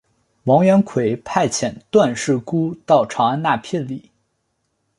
王元逵派遣段氏姑到长安纳聘礼。